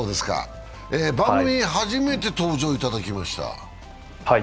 番組に初めて登場いただきました。